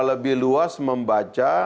lebih luas membaca